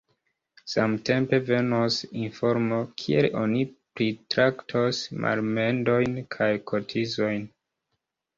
Samtempe venos informo, kiel oni pritraktos malmendojn kaj kotizojn.